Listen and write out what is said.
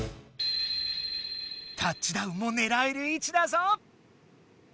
タッチダウンもねらえる位置だぞ。